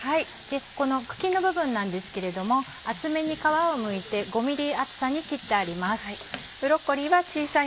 この茎の部分なんですけれども厚めに皮をむいて５ミリ厚さに切ってあります。